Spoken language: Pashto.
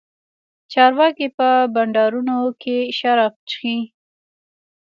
چارواکي په بنډارونو کښې شراب چښي.